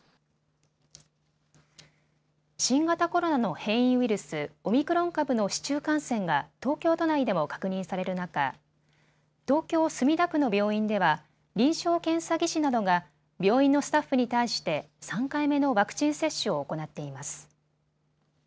新型コロナの変異ウイルス、オミクロン株の市中感染が東京都内でも確認される中、東京墨田区の病院では臨床検査技師などが病院のスタッフに対して３回目のワクチン接種を行っています。